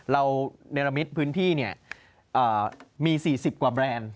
เราในละมิตรพื้นที่เนี่ยมี๔๐กว่าแบรนด์